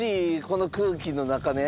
この空気の中ね。